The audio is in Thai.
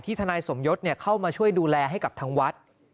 ทนายสมยศเข้ามาช่วยดูแลให้กับทางวัด